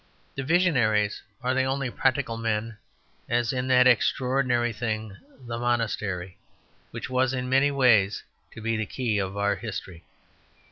The visionaries are the only practical men, as in that extraordinary thing, the monastery, which was, in many ways, to be the key of our history.